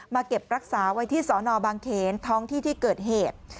เก็บรักษาไว้ที่สอนอบางเขนท้องที่ที่เกิดเหตุ